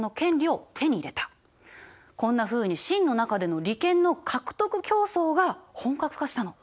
こんなふうに清の中での利権の獲得競争が本格化したの。